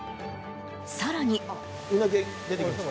更に。